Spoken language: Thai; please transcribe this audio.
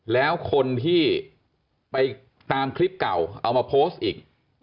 แล้วคนที่ไปตามคลิปเก่าเอามาโพสต์อีก